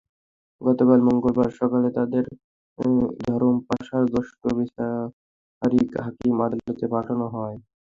গতকাল মঙ্গলবার সকালে তাঁদের ধরমপাশার জ্যেষ্ঠ বিচারিক হাকিম আদালতে পাঠানো হয়।